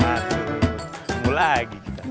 mas tunggu lagi kita